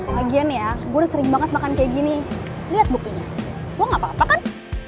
lagian ya gue sering banget makan kayak gini lihat buktinya wah gak apa apa kan